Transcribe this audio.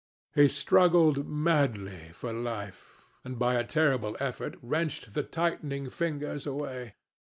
He struggled madly for life, and by a terrible effort wrenched the tightening fingers away.